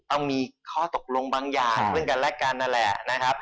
ต้องมีข้อตกลงบางอย่างซึ่งกันและกันนั่นแหละนะครับ